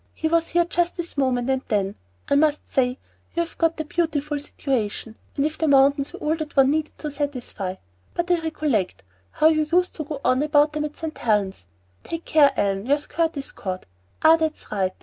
"He was here just this moment, and then I must say you have got a beautiful situation; and if mountains were all that one needed to satisfy but I recollect how you used to go on about them at St. Helen's Take care, Ellen, your skirt is caught! Ah, that's right!